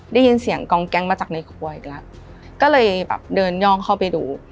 ได้ยินเสียงกองแก๊งมาจากในครัวอีกแล้วก็เลยแบบเดินย่องเข้าไปดู